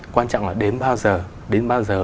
quan trọng là đến bao giờ